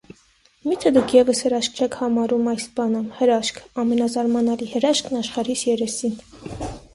Մի՞թե դուք ևս հրաշք չեք համարում այս բանը, հրաշք, ամենազարմանալի հրաշքն աշխարհիս երեսին: